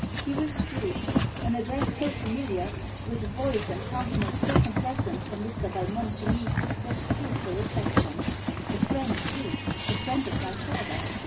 He withdrew. An address so familiar, with a voice and countenance so complacent, from Mr. Valmont to me, was food for reflection. The friend too! The friend of my father!